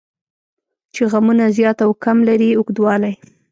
چې غمونه زیات او کم لري اوږدوالی.